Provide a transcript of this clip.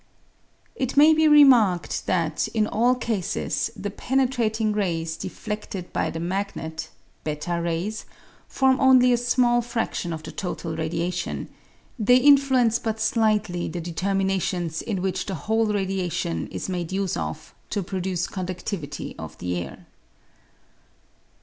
It may be remarked that, in all cases, the penetrating rays defleded by the magnet (.S rays) form only a small fradion of the total radiation ; they influence but slightly the determinations in which the whole radiation is made use of to produce condudivity of the air.